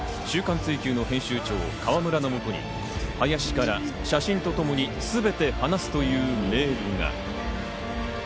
『週刊追求』の編集長・河村のもとに林から写真とともにすべて話すというメールが。